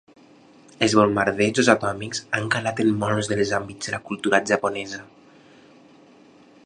Els bombardejos atòmics han calat en molts dels àmbits de la cultura japonesa.